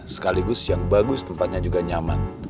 sekaligus yang bagus tempatnya juga nyaman